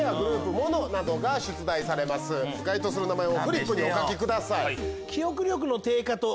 該当する名前をフリップにお書きください。